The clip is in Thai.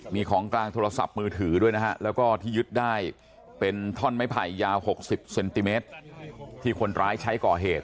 มีของกลางโทรศัพท์มือถือด้วยนะฮะแล้วก็ที่ยึดได้เป็นท่อนไม้ไผ่ยาว๖๐เซนติเมตรที่คนร้ายใช้ก่อเหตุ